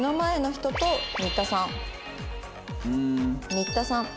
新田さん。